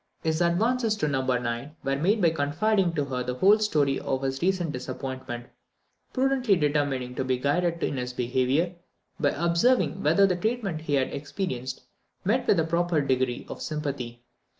His advances to No. 9 were made by confiding to her the whole story of his recent disappointment, prudently determining to be guided in his behaviour, by observing whether the treatment he had experienced met with a proper degree of sympathy.